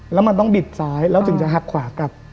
แล้วมันต้องบิดซ้ายแล้วถึงจะหักขวากลับ